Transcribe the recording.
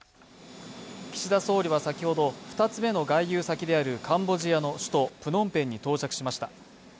岸田総理は先ほど、２つ目の外遊先であるカンボジアの首都プノンペンに到着しました。